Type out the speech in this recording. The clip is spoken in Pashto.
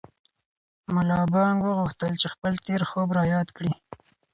ملا بانګ وغوښتل چې خپل تېر خوب را یاد کړي.